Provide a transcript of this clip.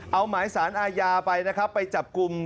เอาหมายสารอาญาไปนะครับไปจับกลุ่ม